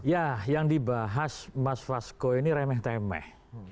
ya yang dibahas mas fasko ini remeh temeh